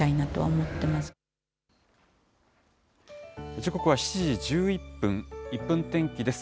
時刻は７時１１分、１分天気です。